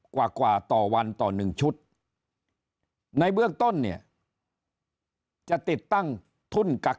กว่าต่อวันต่อ๑ชุดในเบื้องต้นเนี่ยจะติดตั้งทุนกัก